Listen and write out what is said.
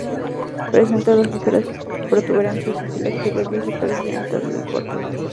Presenta dos ligeras protuberancias hacia el exterior en el sector occidental del borde.